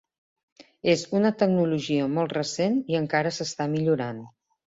És una tecnologia molt recent i encara s'està millorant.